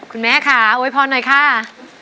คุณแม่ค่ะโวยพรหน่อยค่ะ